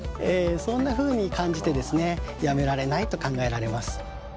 そんなふうに感じてやめられないと考えられます。